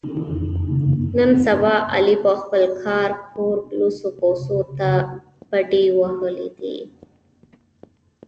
نن سبا علي په خپل کلي کور کې لوڅو پوڅو ته بډې وهلې دي.